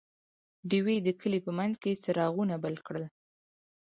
ډیوې د کلي په منځ کې څراغونه بل کړل.